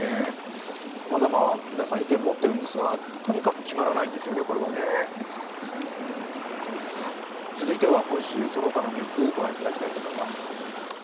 さまざま皆さん、意見を持っているんですが、とにかく決まらないんですよね、これはね。続いては今週その他のニュース御覧いただきたいと思います。